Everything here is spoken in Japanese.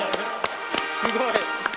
すごい！